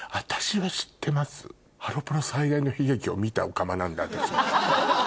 ハロプロ最大の悲劇を見たオカマなんで私は。